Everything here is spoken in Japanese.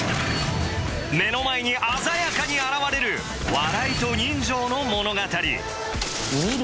目の前に鮮やかに現れる笑いと人情の物語見る